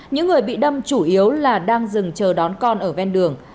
những người bị đâm chủ yếu là đang dừng chờ đón con ở ven đường